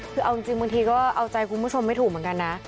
คือเอาจริงบางทีก็เอาใจคุณผู้ชมไม่ถูกเหมือนกันนะ